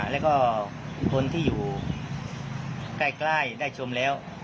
แล้วก็คนที่อยู่ใกล้ได้ชมแล้ว